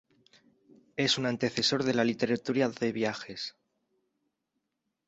Es un antecesor de la literatura de viajes.